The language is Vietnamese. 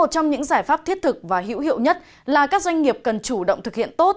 trong những giải pháp thiết thực và hữu hiệu nhất là các doanh nghiệp cần chủ động thực hiện tốt